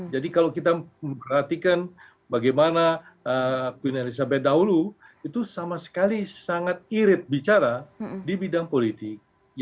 jadi kalau kita perhatikan bagaimana queen elizabeth dahulu itu sama sekali sangat irit bicara di bidang politik